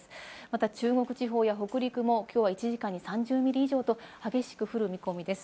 また中国地方や北陸もきょうは１時間に３０ミリ以上と激しく降る見込みです。